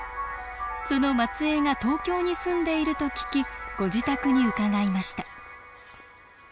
その末えいが東京に住んでいると聞きご自宅に伺いました